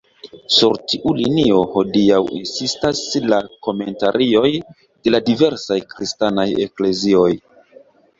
Sur tiu linio hodiaŭ insistas la komentarioj de la diversaj kristanaj eklezioj.